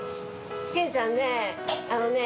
健ちゃんね